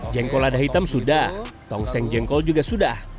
jengkol lada hitam sudah tongseng jengkol juga sudah